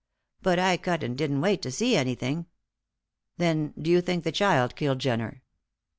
But I cut and didn't wait to see anything." "Then, do you think the child killed Jenner?"